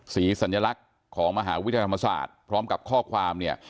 สัญลักษณ์ของมหาวิทยาลัยธรรมศาสตร์พร้อมกับข้อความเนี่ย